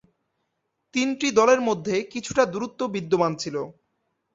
তিনটি দলের মধ্যে কিছুটা দূরত্ব বিদ্যমান ছিল।